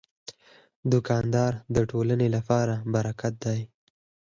دوکاندار د ټولنې لپاره برکت دی.